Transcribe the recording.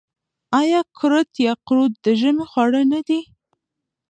آیا کورت یا قروت د ژمي خواړه نه دي؟